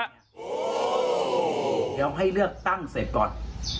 เดี๋ยวให้เลือกตั้งเสร็จก่อน